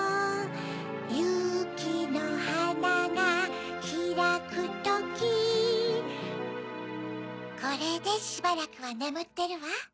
ゆうきのはながひらくときこれでしばらくはねむってるわ。